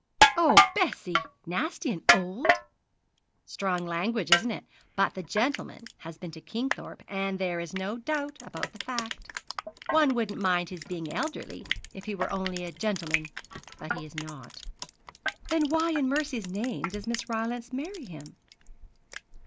'Oh, Bessie! nasty and old!' 'Strong language, isn't it? but the gentleman has been to Kingthorpe, and there is no doubt about the fact. One wouldn't mind his being elderly if he were only a gentleman; but he is not.' 'Then why in mercy's name does Miss Rylance marry him?'